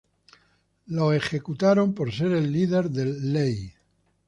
Lo ejecutaron por ser el líder del Lehi.